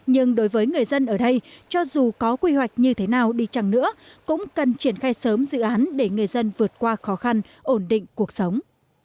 nhưng đối với người dân ở đây cho dù có quy hoạch như thế nào đi chăng nữa cũng cần triển khai sớm dự án để người dân vượt qua khó khăn ổn định cuộc sống